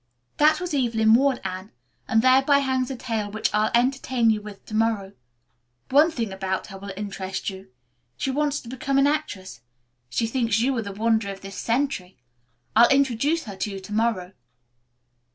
"That was Evelyn Ward, Anne, and thereby hangs a tale which I'll entertain you with to morrow. One thing about her will interest you. She wants to become an actress. She thinks you are the wonder of this century. I'll introduce her to you to morrow."